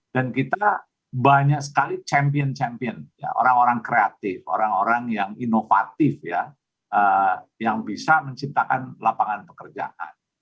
dan kita banyak sekali champion champion orang orang kreatif orang orang yang inovatif ya yang bisa menciptakan lapangan pekerjaan